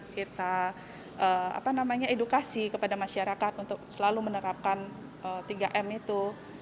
kita edukasi kepada masyarakat untuk selalu menerapkan tiga m itu